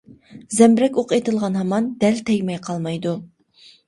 زەمبىرەك ئوقى ئېتىلغان ھامان دەل تەگمەي قالمايدۇ.